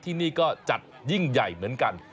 ที่นี่ก็จัดยิ่งใหญ่เหมือนกัน